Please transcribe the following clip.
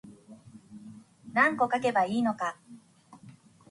何個書けばいいのか